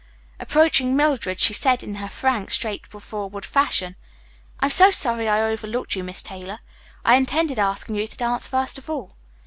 Approaching Mildred she said in her frank, straightforward fashion, "I'm so sorry I overlooked you, Miss Taylor. I intended asking you to dance first of all."